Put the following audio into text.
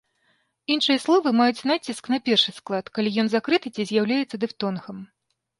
Іншыя словы маюць націск на першы склад, калі ён закрыты ці з'яўляецца дыфтонгам.